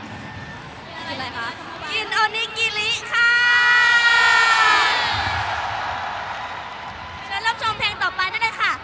ช่วยรับชมเพลงต่อไปด้วยก่อนนะคะ